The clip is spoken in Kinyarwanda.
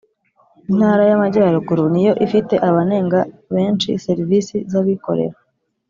Intara y Amajyaruguru niyo ifite abanenga benshi serivisi z abikorera